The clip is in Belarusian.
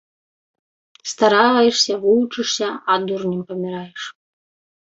Стараешся, вучышся, а дурнем паміраеш